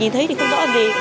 nhìn thấy thì không rõ gì